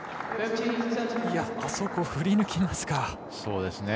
あそこ、振り抜きますか。